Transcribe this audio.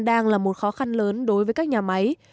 đang là một khó khăn lớn đối với các nhà máy